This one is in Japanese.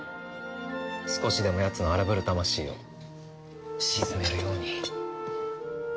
少しでもやつの荒ぶる魂を静めるように。